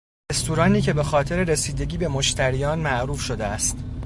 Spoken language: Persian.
رستورانی که به خاطر رسیدگی به مشتریان معروف شده است.